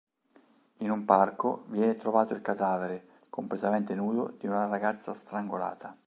In un parco viene trovato il cadavere, completamente nudo, di una ragazza strangolata.